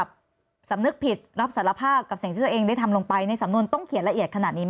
ในทั้งสอบส่วนคงไม่ละเอียดได้อย่างนั้น